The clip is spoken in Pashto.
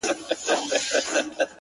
• غړوي سترګي چي ویښ وي پر هر لوري ,